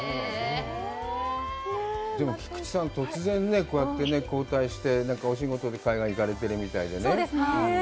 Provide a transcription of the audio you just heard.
でも、菊地さん、突然こうやって交代して、お仕事で海外行かれているみたいで。